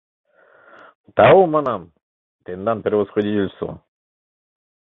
— Тау, — манам, — тендан превосходительство!